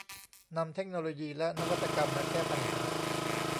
นำเทคโนโลยีและนวัตกรรมมาแก้ปัญหา